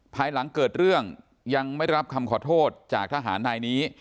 ภายหลังเกิดเรื่องยังไม่ได้รับคำขอโทษจากทหารนายนี้